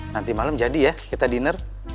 nanti malem jadi ya kita diner